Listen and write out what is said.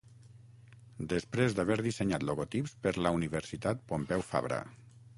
Després d'haver dissenyat logotips per la Universitat Pompeu Fabra.